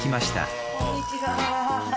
こんにちは。